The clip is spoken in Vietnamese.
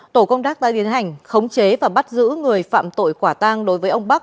tổ công tác đã tiến hành khống chế và bắt giữ người phạm tội quả tang đối với ông bắc